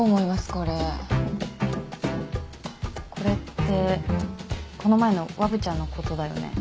これこれってこの前のわぶちゃんのことだよね？